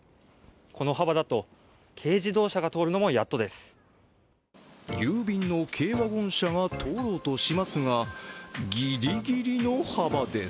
この幅だと、軽自動車が通るのもやっとです。